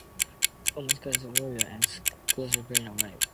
The school's mascot is the warriors, and its colors are green and white.